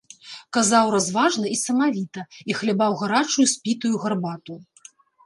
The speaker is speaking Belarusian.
Казаў разважна і самавіта і хлябаў гарачую спітую гарбату.